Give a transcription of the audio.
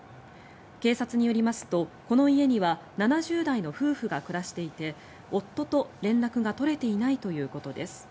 警察によりますと、この家には７０代の夫婦が暮らしていて夫と連絡が取れていないということです。